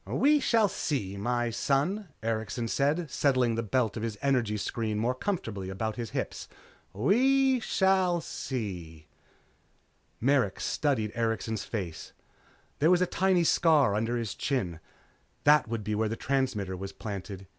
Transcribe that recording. "We shall see, my son," Erikson said settling the belt of his energy screen more comfortably about his hips. "We shall see." Merrick studied Erikson's face. There was a tiny scar under his chin. That would be where the transmitter was planted.